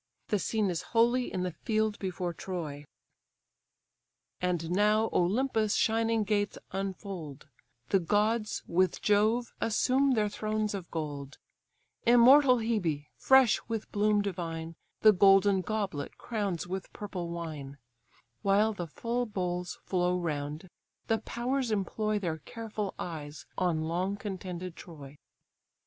The scene is wholly in the field before Troy. And now Olympus' shining gates unfold; The gods, with Jove, assume their thrones of gold: Immortal Hebe, fresh with bloom divine, The golden goblet crowns with purple wine: While the full bowls flow round, the powers employ Their careful eyes on long contended Troy.